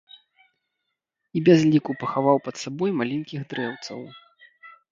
І без ліку пахаваў пад сабой маленькіх дрэўцаў.